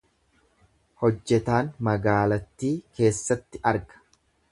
Hojjetaan magaalattii keessatti arga.